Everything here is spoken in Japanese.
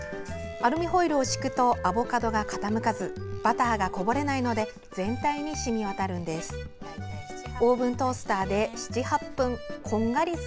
アルミホイルを敷くとアボカドが傾かずバターがこぼれないので全体に染み渡るんです。